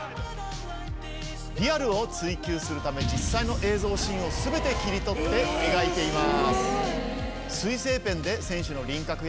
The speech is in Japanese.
リアルを追求するため実際の映像シーンを全て切り取って描いています。